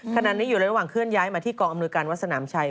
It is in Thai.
ขณะนี้อยู่ระหว่างเคลื่อย้ายมาที่กองอำนวยการวัดสนามชัย